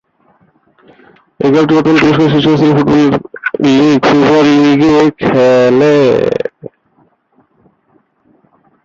এই ক্লাবটি বর্তমানে তুরস্কের শীর্ষ স্তরের ফুটবল লীগ সুপার লীগে খেলে।